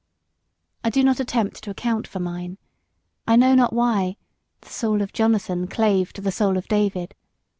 I do not attempt to account for mine: I know not why "the soul of Jonathan clave to the soul of David."